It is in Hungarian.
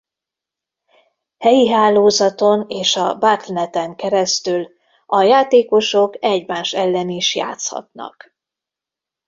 Helyi hálózaton és a Battle.net-en keresztül a játékosok egymás ellen is játszhatnak.